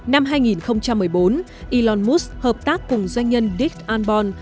năm hai nghìn một mươi bốn elon musk hợp tác cùng doanh nhân dick arnborn